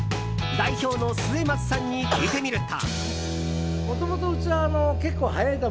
代表の末松さんに聞いてみると。